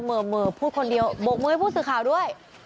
เหมอะเหมอะพูดคนเดียวมกมึงให้พูดสื่อข่าวด้วย